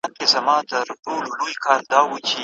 د مطالعې لپاره ارام چاپېريال غوره کړئ.